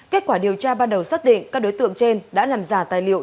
kết quả điều tra ban đầu xác định các đối tượng trên đã làm giả tài liệu